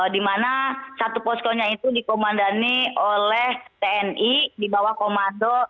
di mana satu poskonya itu dikomandani oleh tni di bawah komando